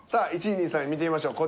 １位２位３位見てみましょう。